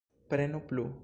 Prenu plu.